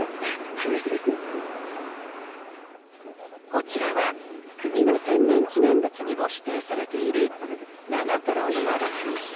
こちらは国の天然記念物にも指定されている、長瀞岩畳。